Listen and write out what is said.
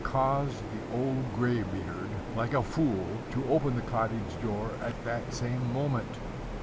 caused the old graybeard, like a fool, to open the cottage door at that same moment.